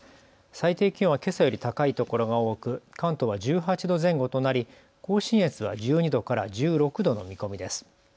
最低気温はけさより高い所が多く関東は１８度前後となり甲信越は１２度から１６度の見込みです。